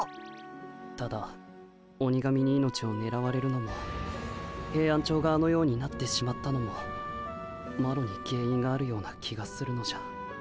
ただ鬼神に命をねらわれるのもヘイアンチョウがあのようになってしまったのもマロに原因があるような気がするのじゃ。